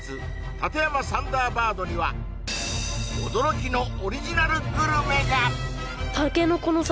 立山サンダーバードには驚きのオリジナルグルメが！